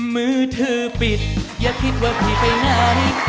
มือถือปิดอย่าคิดว่าผิดไปหน้านิด